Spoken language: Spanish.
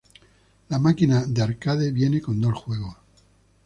La máquina de arcade viene con dos juegos.